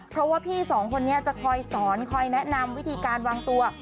เพราะว่าพี่สองคนนี้จะคอยสอนคอยแนะนำวิธีการวางตัว